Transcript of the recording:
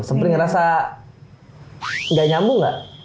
sebenarnya ngerasa gak nyambung gak